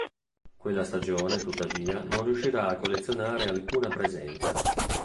Quella stagione, tuttavia, non riuscirà a collezionare alcuna presenza.